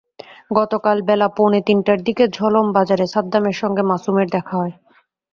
গতকাল বেলা পৌনে তিনটার দিকে ঝলম বাজারে সাদ্দামের সঙ্গে মাসুমের দেখা হয়।